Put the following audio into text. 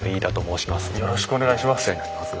よろしくお願いします。